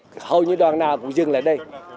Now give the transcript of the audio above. cũng như không thể đi đường đi